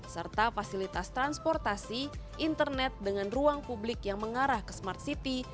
serta fasilitas transportasi internet dengan ruang publik yang mengarah ke smart city